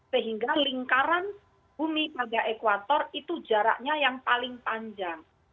sehingga lingkaran bumi pada ekuator itu jaraknya yang paling panjang